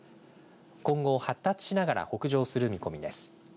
今後、発達しながら北上する見込みです。